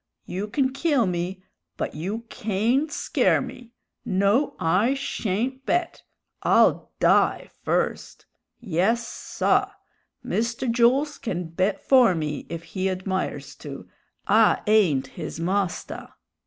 You can kill me, but you cayn't scare me! No, I shayn't bet! I'll die first! Yes, saw; Mr. Jools can bet for me if he admires to; I ain't his mostah."